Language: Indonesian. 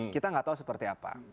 kita nggak tahu seperti apa